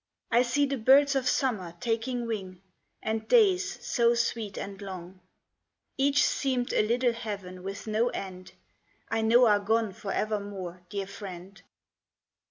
I see the birds of summer taking wing, And days so sweet and long, Each seemed a little heaven with no end, I know are gone for evermore, dear friend.